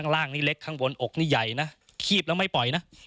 ร่างนี้เล็กข้างบนอกนี่ใหญ่นะคีบแล้วไม่ปล่อยนะ